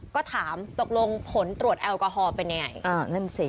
ก็ถามตกลงผลตรวจแอลกอฮอล์เป็นยังไง